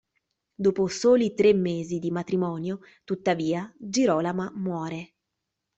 Dopo soli tre mesi di matrimonio, tuttavia, Girolama muore.